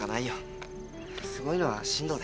すごいのは進藤だよ。